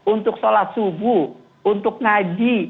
untuk sholat subuh untuk ngaji